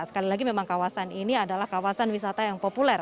sekali lagi memang kawasan ini adalah kawasan wisata yang populer